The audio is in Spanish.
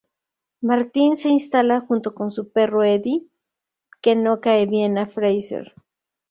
Martin se instala junto con su perro Eddie, que no cae bien a Frasier.